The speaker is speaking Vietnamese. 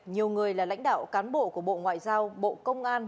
nhiều người là lãnh đạo cán bộ của bộ ngoại giao bộ công an